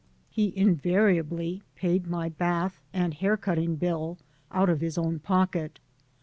He invariably paid my bath and hair cutting bill out of his own pocket.